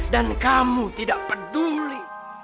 dan kamu tidak peduli